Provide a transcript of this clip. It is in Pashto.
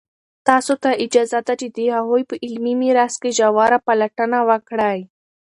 تاسو ته اجازه ده چې د هغوی په علمي میراث کې ژوره پلټنه وکړئ.